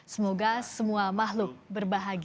semoga semua makhluk berbahagia